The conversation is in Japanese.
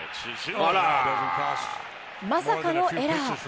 まさかのエラー。